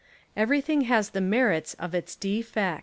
Everything has the merits of its defects.